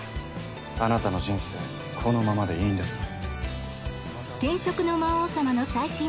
あなたの人生このままでいいんですか？